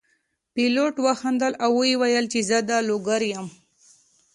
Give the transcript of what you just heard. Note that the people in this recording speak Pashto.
پیلوټ وخندل او وویل چې زه د لوګر یم.